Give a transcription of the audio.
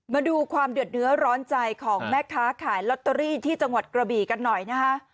มาดูความเดือดเนื้อร้อนใจของแม่ค้าขายลอตเตอรี่ที่จังหวัดกระบีกันหน่อยนะคะ